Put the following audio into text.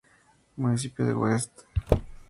Municipio de West St.